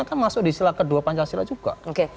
kan masuk di sila kedua pancasila juga